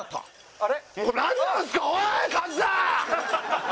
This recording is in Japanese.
あれ？